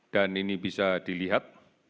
dan ini bisa dilihat